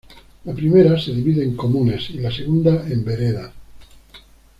La primera se divide en comunas y la segunda en veredas.